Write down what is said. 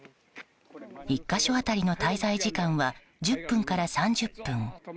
１か所当たりの滞在時間は１０分から３０分。